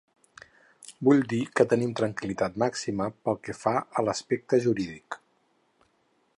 Vull dir que tenim tranquil·litat màxima pel que fa a l’aspecte jurídic.